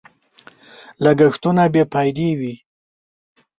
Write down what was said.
لګښتونه بې فايدې وي.